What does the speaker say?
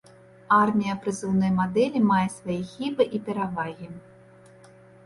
Армія прызыўнай мадэлі мае свае хібы і перавагі.